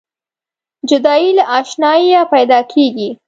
جدایي له اشناییه پیداکیږي.